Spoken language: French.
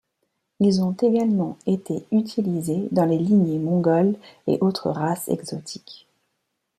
Ils ont également été utilisés dans les lignées Mongoles et autres races exotiques.